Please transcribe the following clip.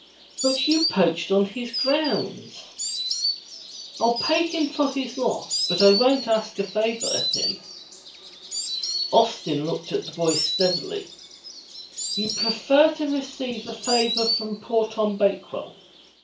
''But you poached on his grounds." • "I'll pay him for his loss, but I won't ask a favor of him." Austin looked at the boy steadily. "You prefer to receive a favor from poor Tom Bakewell?